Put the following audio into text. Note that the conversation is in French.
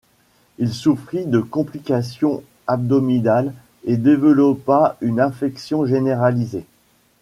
Il souffrit de complications abdominales et développa une infection généralisée.